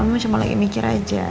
kayak mikir aja